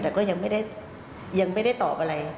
แต่ก็ยังไม่ได้ยังไม่ได้ตอบอะไร